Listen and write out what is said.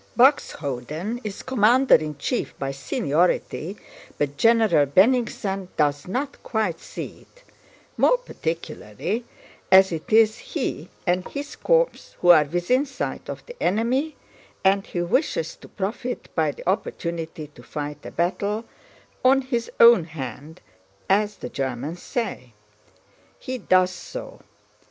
Buxhöwden is commander in chief by seniority, but General Bennigsen does not quite see it; more particularly as it is he and his corps who are within sight of the enemy and he wishes to profit by the opportunity to fight a battle 'on his own hand' as the Germans say. He does so.